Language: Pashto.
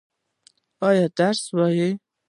ایا درسونه وايي؟